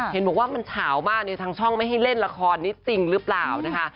เห็นบอกว่ามันเฉามากในทางช่องไม่ให้เล่นละครนี่จริงหรือเปล่านะคะ